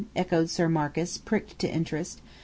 echoed Sir Marcus, pricked to interest.